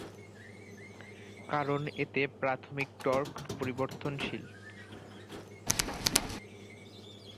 কারণ এতে প্রাথমিক টর্ক পরিবর্তনশীল।